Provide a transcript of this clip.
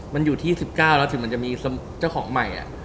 มันอยู่ที่๑๙แล้วถึงมันจะมีเจ้าของใหม่